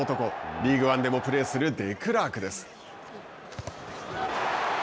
リーグワンでもプレーするデクラークです。